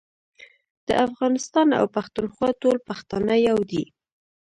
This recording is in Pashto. د افغانستان او پښتونخوا ټول پښتانه يو دي